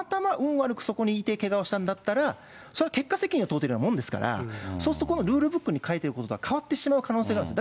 悪くそこにいて、けがをしたんだったら、それは結果責任を問うてるようなものですから、そうすると、このルールブックに書いてあることが変わってしまう可能性がある。